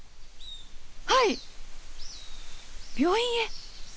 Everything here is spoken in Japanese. はい病院へ。